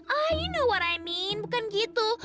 ah you know what i mean bukan gitu